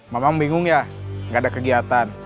mamang bingung ya gak ada kegiatan